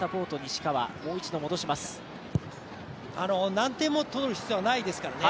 何点も取る必要はないですからね。